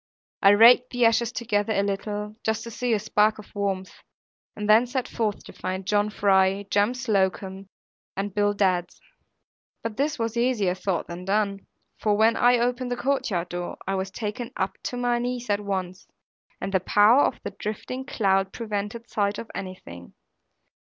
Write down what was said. I raked the ashes together a little, just to see a spark of warmth; and then set forth to find John Fry, Jem Slocombe, and Bill Dadds. But this was easier thought than done; for when I opened the courtyard door, I was taken up to my knees at once, and the power of the drifting cloud prevented sight of anything.